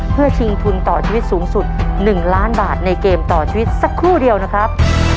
เพื่อชิงทุนต่อชีวิตสูงสุด๑ล้านบาทในเกมต่อชีวิตสักครู่เดียวนะครับ